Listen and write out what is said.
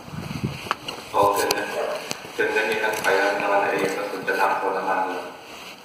Ол кэннэ: «Төннөн иһэн хайаан даҕаны, эһиэхэ сылдьан, хонон ааһыам»